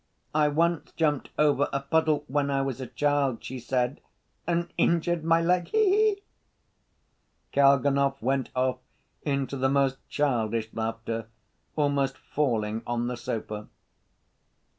'I once jumped over a puddle when I was a child,' she said, 'and injured my leg.' He he!" Kalganov went off into the most childish laughter, almost falling on the sofa.